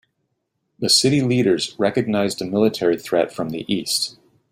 The city leaders recognized a military threat from the east.